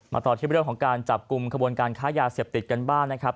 ต่อที่เรื่องของการจับกลุ่มขบวนการค้ายาเสพติดกันบ้างนะครับ